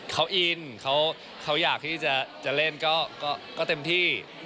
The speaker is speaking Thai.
เขาอินเขาอยากที่จะเล่นก็เต็มที่